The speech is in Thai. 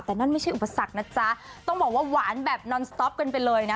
แต่นั่นไม่ใช่อุปสรรคนะจ๊ะต้องบอกว่าหวานแบบนอนสต๊อปกันไปเลยนะ